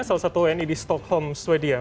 salah satu wni di stockholm sweden